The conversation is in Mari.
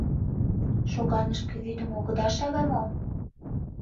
— Шоганышке вӱдым огыда шаве мо?